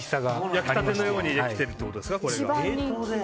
焼きたてのようにできてるってことですか。